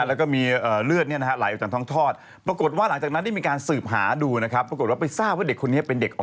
แค้นแม่ยายก็เลยทำไปแบบนั้นนะครับก็